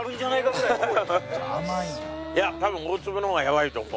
いや多分大粒の方がやばいと思う。